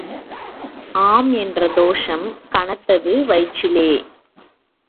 ஆம் என்ற தோஷம், கனத்தது வயிற்றிலே.